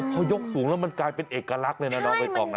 พอยกสูงแล้วมันกลายเป็นเอกลักษณ์เลยนะน้องใบตองนะ